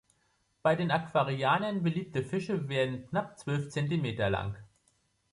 Die bei Aquarianern beliebten Fische werden knapp zwölf Zentimeter lang.